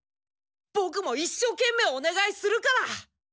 ボクも一生懸命お願いするから！